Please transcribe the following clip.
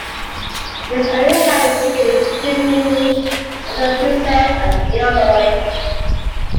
His early assignments include Germany, Massachusetts, and Illinois.